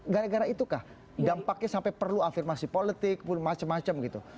gara gara itukah dampaknya sampai perlu afirmasi politik macam macam gitu